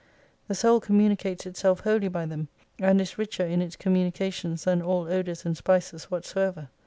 The soid communicates itself wholly by them : and is richer in its communica tions than all odors and spices whatsoever.